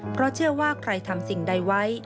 เพราะเชื่อว่าใครทำสิ่งใดไว้